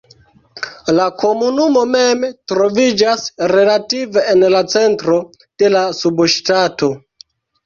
La komunumo mem troviĝas relative en la centro de la subŝtato.